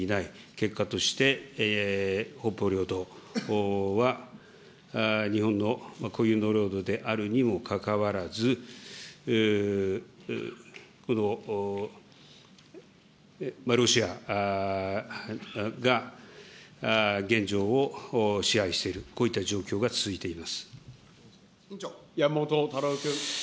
結果として、北方領土は日本の固有の領土であるにもかかわらず、ロシアが現状を支配している、山本太郎君。